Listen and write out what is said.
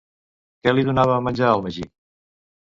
Què li donava a menjar el Magí?